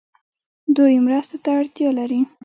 دوی مرستو ته اړتیا لري.